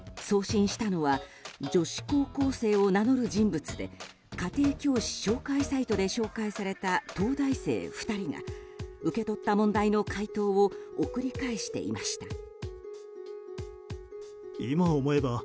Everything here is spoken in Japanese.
送信したのは女子高校生を名乗る人物で家庭教師紹介サイトで紹介された東大生２人が受け取った問題の解答を送り返していました。